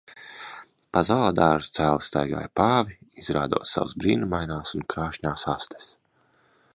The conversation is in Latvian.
Pa zoodārzu cēli staigāja pāvi, izrādot savas brīnumainās un krāšņās astes